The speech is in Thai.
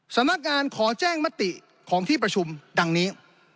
สำนักงานขอแจ้งมติของที่ประชุมดังนี้